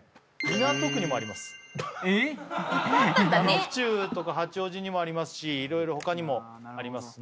府中とか八王子にもありますし色々他にもありますね